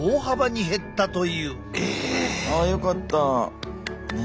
あよかった。